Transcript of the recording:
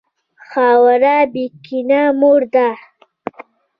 خاوره بېکینه مور ده.